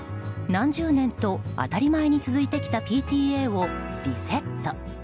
何十年と当たり前に続いてきたＰＴＡをリセット。